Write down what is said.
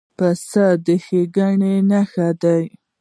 پسه د ښېګڼې نښه ده.